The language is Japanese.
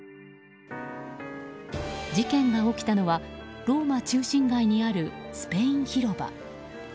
事件が起きたのはローマ中心街にあるスペイン広場。